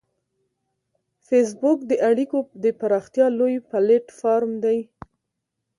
فېسبوک د اړیکو د پراختیا لوی پلیټ فارم دی